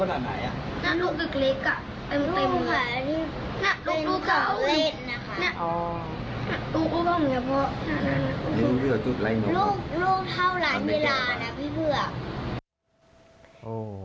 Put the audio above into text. ลูกเท่าหลายเวลานะพี่เผื่อ